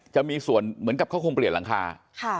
จะมีส่วนเหมือนกับเขาคงเปลี่ยนหลังคา